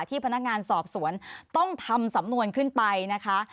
พนักงานสอบสวนต้องทำสำนวนขึ้นไปนะคะ